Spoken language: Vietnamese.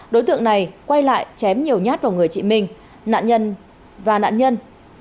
đối tượng này quay lại chém nhiều nhát vào người chị minh nạn nhân và nạn nhân